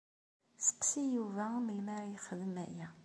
Sseqsi Yuba melmi ara yexdem aya.